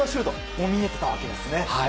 これも見えていたわけですね。